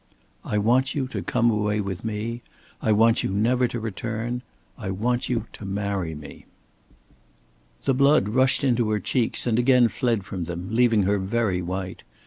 "I want you to come away with me, I want you never to return. I want you to marry me." The blood rushed into her cheeks and again fled from them, leaving her very white.